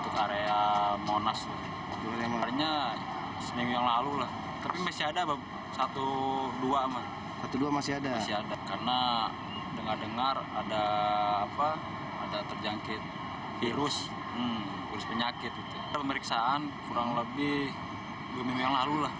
kudus penyakit itu pemeriksaan kurang lebih dua minggu yang lalu lah